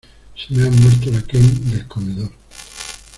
Se me ha muerto la Kent del comedor.